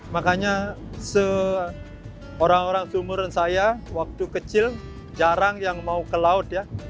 makanya seorang orang seumuran saya waktu kecil jarang yang mau ke laut ya